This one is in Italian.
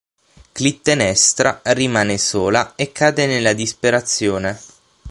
Clitennestra rimane sola e cade nella disperazione.